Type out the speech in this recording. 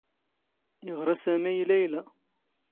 ⵉⵖⵔⴰ ⵙⴰⵎⵉ ⵉ ⵍⴰⵢⵍⴰ.